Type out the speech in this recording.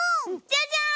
じゃじゃん！